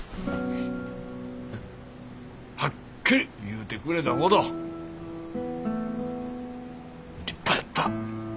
はっきり言うてくれたこと立派やった。